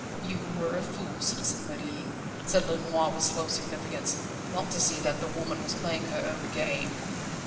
"You were a fool, Citizen Merlin," said Lenoir with slow significance, "not to see that the woman was playing her own game."